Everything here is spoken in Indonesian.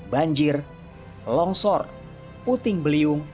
banjir longsor puting beliung